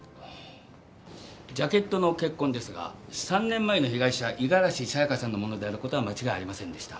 ジャケットの血痕ですが３年前の被害者五十嵐さやかさんのものである事は間違いありませんでした。